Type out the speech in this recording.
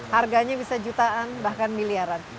harganya bisa jutaan bahkan miliaran